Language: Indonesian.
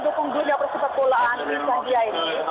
dunia persepak bolaan islandia ini